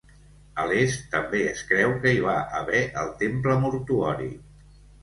A l'est, també es creu que hi va haver el temple mortuori.